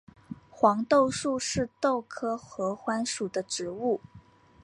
黄豆树是豆科合欢属的植物。